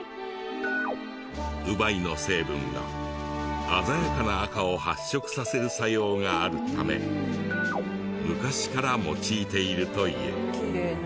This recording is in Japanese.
烏梅の成分が鮮やかな赤を発色させる作用があるため昔から用いているという。